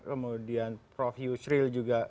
kemudian prof hugh shrill juga